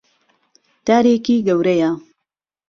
دارێکی گەورەیە.